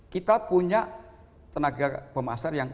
kita punya tenaga pemasaran yang rp enam puluh enam